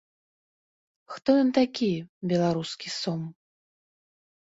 Хто ён такі, беларускі сом?